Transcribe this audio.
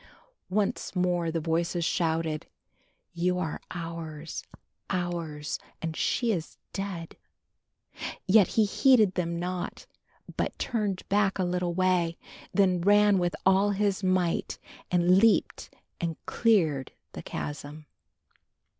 Once more the voices shouted; "You are ours ours and she is dead." Yet he heeded them not, but turned back a little way, then ran with all his might and leaped and cleared the chasm.